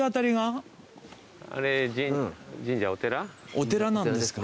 お寺なんですか。